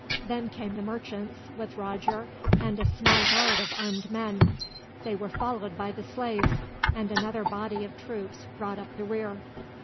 Then came the merchants, with Roger and a small guard of armed men. They were followed by the slaves, and another body of troops brought up the rear.